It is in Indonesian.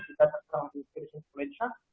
kita terperang di kursus pulsa